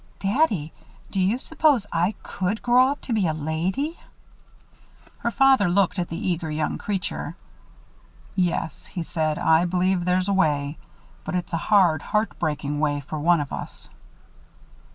Daddy! Do you s'pose I could grow up to be a lady?" Her father looked at the eager young creature. "Yes," he said, "I believe there's a way. But it's a hard, heart breaking way for one of us."